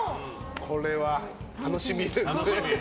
これは楽しみですね。